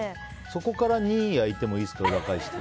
そこから２焼いてもいいですか、裏返して。